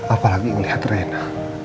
apalagi melihat rena